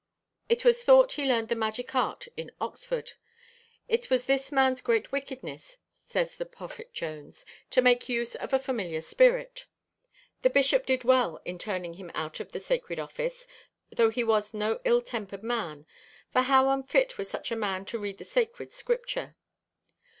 It was thought he learned the magic art in Oxford. 'It was this man's great wickedness,' says the Prophet Jones, 'to make use of a familiar spirit.... The bishop did well in turning him out of the sacred office, though he was no ill tempered man, for how unfit was such a man to read the sacred Scripture!